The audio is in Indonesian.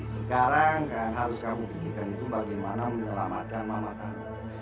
sekarang kan harus kamu pikirkan itu bagaimana menelamatkan mama kamu